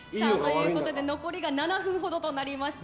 残り７分ほどとなりました。